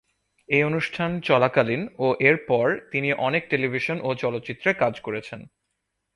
এই অনুষ্ঠান চলাকালীন ও এর পর তিনি অনেক টেলিভিশন ও চলচ্চিত্রে কাজ করেছেন।